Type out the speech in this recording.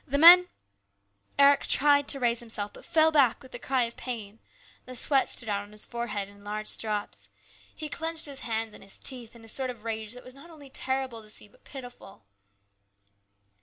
The men " Eric tried to raise himself, but fell back with a cry of pain. The sweat stood out on his forehead in large drops. He clenched his hands and his teeth in a sort of rage that was not only terrible to see but pitiful.